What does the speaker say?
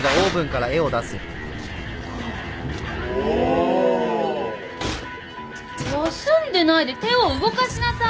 おお！休んでないで手を動かしなさい！